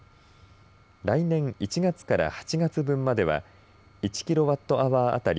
来年１月から８月分までは１キロワットアワー当たり